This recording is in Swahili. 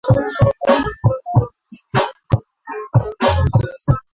Kila aina ya uchafuzi wa mazingira ina sababu na matokeo yake